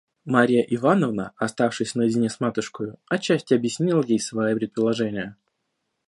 Марья Ивановна, оставшись наедине с матушкою, отчасти объяснила ей свои предположения.